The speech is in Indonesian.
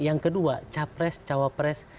yang kedua capres cawapres